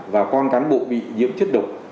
và con cán bộ bị diễm chất độc